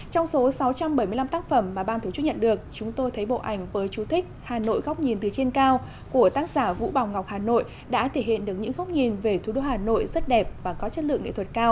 trong số sáu trăm bảy mươi năm tác phẩm mà ban tổ chức nhận được chúng tôi thấy bộ ảnh với chú thích hà nội góc nhìn từ trên cao của tác giả vũ bảo ngọc hà nội đã thể hiện được những góc nhìn về thủ đô hà nội rất đẹp và có chất lượng nghệ thuật cao